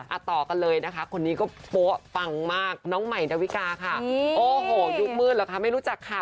ต่อกันเลยนะคะคนนี้ก็โป๊ะปังมากน้องใหม่ดาวิกาค่ะโอ้โหยุคมืดเหรอคะไม่รู้จักค่ะ